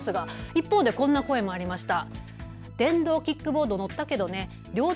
一方でこんな声もありました。